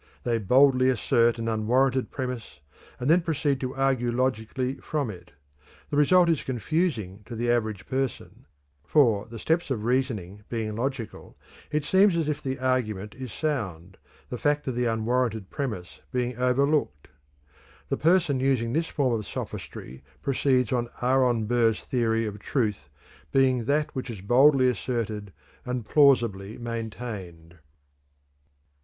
They boldly assert an unwarranted premise, and then proceed to argue logically from it. The result is confusing to the average person, for, the steps of the reasoning being logical, it seems as if the argument is sound, the fact of the unwarranted premise being overlooked. The person using this form of sophistry proceeds on Aaron Burr's theory of truth being "that which is boldly asserted and plausibly maintained."